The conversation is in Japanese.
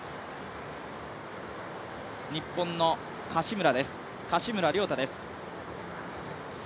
日本の柏村亮太です。